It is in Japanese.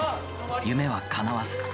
夢はかなわず。